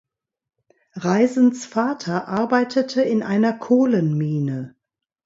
Reisens Vater arbeitete in einer Kohlenmine.